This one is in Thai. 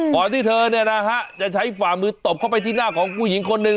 ก่อนที่เธอจะใช้ฝ่ามือตบเข้าไปที่หน้าของผู้หญิงคนหนึ่ง